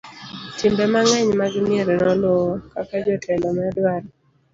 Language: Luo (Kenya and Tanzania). timbe mang'eny mag mier noluwo kaka jotelo nedwaro